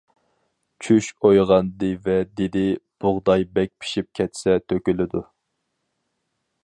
چۈش ئويغاندى ۋە دېدى: بۇغداي بەك پىشىپ كەتسە تۆكۈلىدۇ.